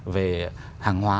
về hàng hóa